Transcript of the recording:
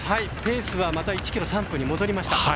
ペースはまた１ｋｍ３分に戻りました。